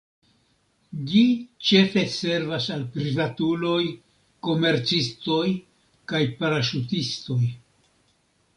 Ĝi ĉefe servas al privatuloj, komercistoj kaj paraŝutistoj.